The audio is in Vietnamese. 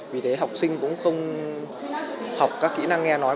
vì thế học sinh cũng không học các kỹ năng nghe nói